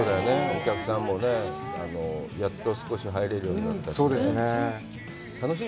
お客さんもね、やっと少し入れるようになったし。